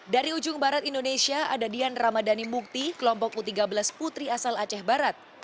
dari ujung barat indonesia ada dian ramadhani mukti kelompok u tiga belas putri asal aceh barat